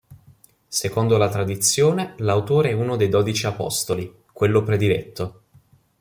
Secondo la tradizione l'autore è uno dei dodici apostoli, quello prediletto.